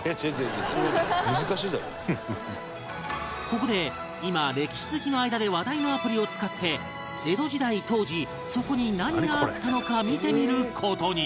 ここで今歴史好きの間で話題のアプリを使って江戸時代当時そこに何があったのか見てみる事に